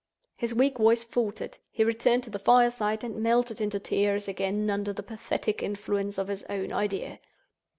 His weak voice faltered; he returned to the fire side, and melted into tears again under the pathetic influence of his own idea.